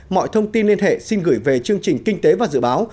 mọi thông tin liên hệ xin gửi về chương trình kinh tế và dự báo